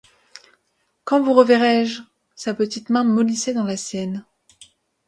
Quand vous reverrai-je?» Sa petite main mollissait dans la sienne.